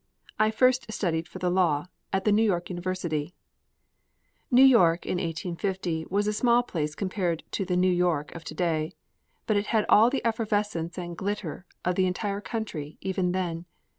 I first studied for the law, at the New York University. New York in 1850 was a small place compared to the New York of to day, but it had all the effervescence and glitter of the entire country even then.